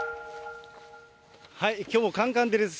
きょうもかんかん照りです。